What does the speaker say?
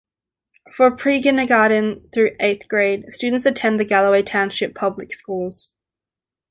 For pre-kindergarten through eighth grade, students attend the Galloway Township Public Schools.